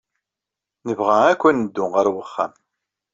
Nebɣa akk ad neddu ɣer wexxam.